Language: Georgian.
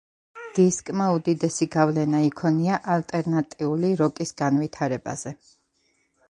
დისკმა უდიდესი გავლენა იქონია ალტერნატიული როკის განვითარებაზე.